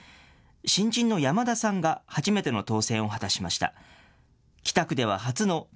新人の山田さんが初めての当選を果たしました。